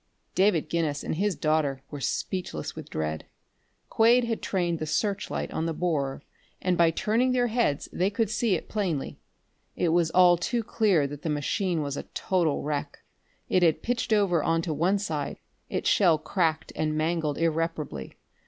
David Guinness and his daughter were speechless with dread. Quade had trained the searchlight on the borer, and by turning their heads they could see it plainly. It was all too clear that the machine was a total wreck. It had pitched over onto one side, its shell cracked and mangled irreparably.